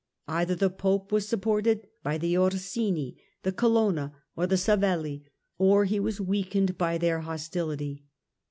Either the Pope was supported by the Orsini, the Colonna, or the Savelli, or he was weakened by their hostility.